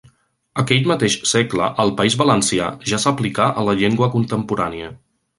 Aquell mateix segle, al País Valencià, ja s'aplicà a la llengua contemporània.